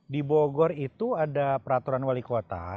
di bogor itu ada peraturan wali kota